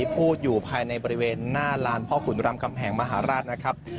พูดอยู่ภายในบริเวณหน้าลานพ่อขุนรำกำแหงมหาราชนะครับ